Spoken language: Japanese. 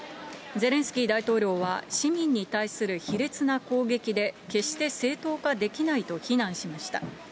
ゼレンスキー大統領は、市民に対する卑劣な攻撃で、決して正当化できないと非難しました。